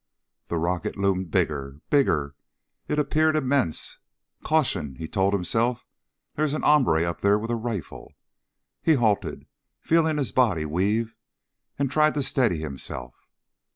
The rocket loomed bigger ... bigger. It appeared immense. Caution, he told himself, there's an hombre up there with a rifle. He halted, feeling his body weave, and tried to steady himself.